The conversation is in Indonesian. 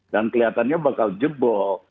dan kelihatannya bakal jebol